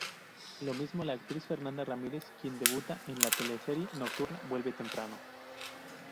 Lo mismo la actriz Fernanda Ramírez, quien debuta en la teleserie nocturna Vuelve temprano.